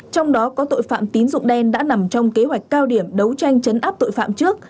trong đó có tội phạm tín dụng đen đã nằm trong kế hoạch cao điểm đấu tranh chấn áp tội phạm trước